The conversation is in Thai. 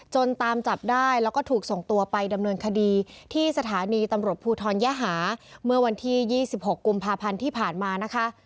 ตามจับได้แล้วก็ถูกส่งตัวไปดำเนินคดีที่สถานีตำรวจภูทรยหาเมื่อวันที่๒๖กุมภาพันธ์ที่ผ่านมานะคะ